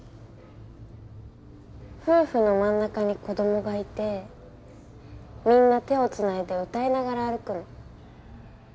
夫婦の真ん中に子どもがいてみんな手をつないで歌いながら歩くの。